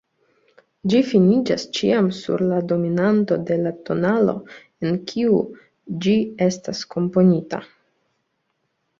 Ĝi finiĝas ĉiam sur la dominanto de la tonalo, en kiu ĝi estas komponita.